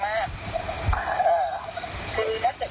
เขาก็บอกอย่างงี้